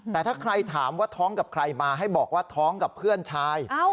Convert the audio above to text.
แต่ถ้าใครถามว่าท้องกับใครมาให้บอกว่าท้องกับเพื่อนชาย